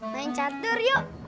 main catur yuk